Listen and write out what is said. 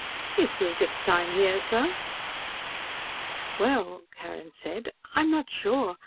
"If you'll just sign here, sir." "Well," Carrin said, "I'm not sure.